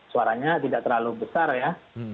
suaranya tidak terlalu besar ya